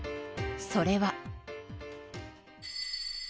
それは。